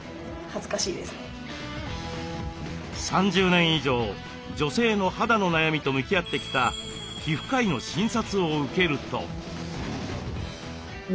３０年以上女性の肌の悩みと向き合ってきた皮膚科医の診察を受けると。